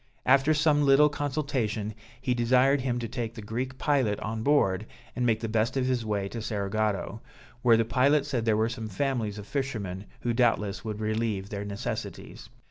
After some little consultation, he desired him to take the Greek pilot on board, and make the best of his way to Cerigotto, where the pilot said there were some families of fishermen, who doubtless would relieve their necessities.